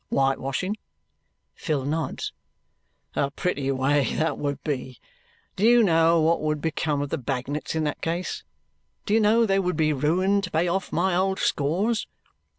"Whitewashing." Phil nods. "A pretty way that would be! Do you know what would become of the Bagnets in that case? Do you know they would be ruined to pay off my old scores?